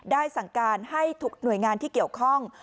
สั่งการให้ทุกหน่วยงานที่เกี่ยวข้อง